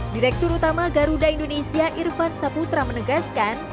direktur utama garuda indonesia irfan saputra menegaskan